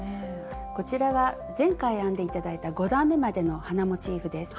こちらは前回編んで頂いた５段めまでの花モチーフです。